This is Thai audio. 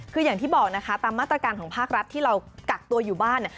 คืออย่างที่บอกนะคะตามมาตรการของภาครัฐที่เรากักตัวอยู่บ้านเนี่ย